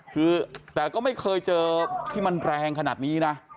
คือแต่ก็ไม่เคยเจอที่มันแรงขนาดนี้นะ